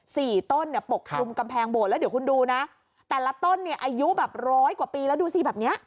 ต้นเนี่ยปกคลุมกำแพงโบสถแล้วเดี๋ยวคุณดูนะแต่ละต้นเนี่ยอายุแบบร้อยกว่าปีแล้วดูสิแบบเนี้ย